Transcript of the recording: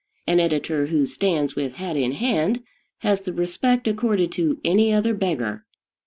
An editor who stands with hat in hand has the respect accorded to any other beggar.